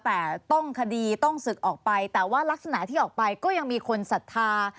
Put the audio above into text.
แต่ต้องคดีต้องศึกออกไปแต่ว่ารักษณะที่ออกไปก็ยังมีคนศรัทธา